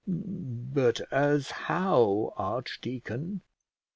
"But as how, archdeacon?"